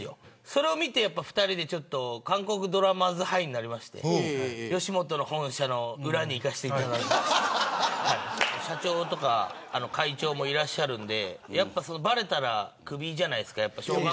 それを見て、２人で韓国ドラマズハイになりまして吉本の本社の裏に行かせていただいて社長や会長もいらっしゃるのでばれたら、クビじゃないですか。